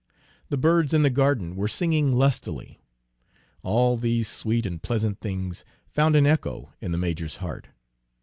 The birds in the garden were singing lustily. All these sweet and pleasant things found an echo in the major's heart.